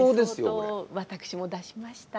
相当私も出しました。